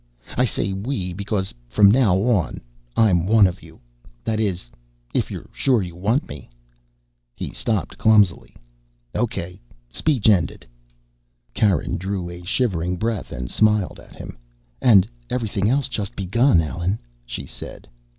I say we, because from now on I'm one of you. That is, if you're sure you want me." He stopped, clumsily. "Okay. Speech ended." Karen drew a shivering breath and smiled at him. "And everything else just begun, Allen," she said.